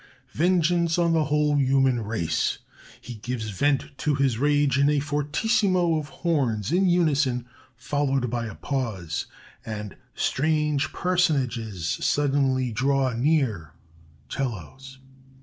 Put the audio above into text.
Vengeance on the whole human race! He gives vent to his rage (in a fortissimo of horns in unison followed by a pause), and strange personages suddenly draw near ('cellos).